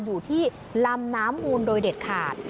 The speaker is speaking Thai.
อยู่ที่ลำน้ำมูลโดยเด็ดขาด